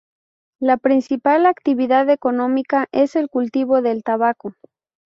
La principal actividad económica es el cultivo del tabaco.